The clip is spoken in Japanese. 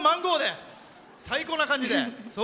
最高な感じで。